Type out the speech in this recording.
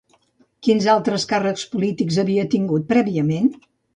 Quins altres càrrecs polítics havia tingut prèviament?